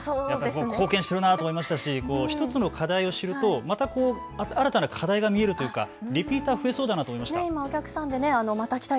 貢献しているなと思いましたし１つの課題を知ると新たな課題が見えるというかリピーターが増えそうだなと思いました。